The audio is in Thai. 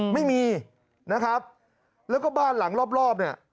ไม่มีนะครับแล้วก็บ้านหลังรอบเนี่ย